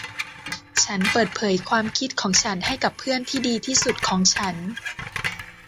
ฉันเปิดเผยความคิดของฉันให้กับเพื่อนที่ดีที่สุดของฉัน